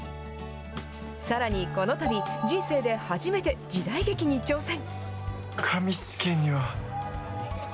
さらにこのたび、人生で初めて時代劇に挑戦。